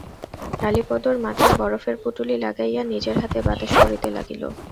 কালীপদর মাথায় বরফের পুঁটুলি লাগাইয়া নিজের হাতে বাতাস করিতে লাগিল।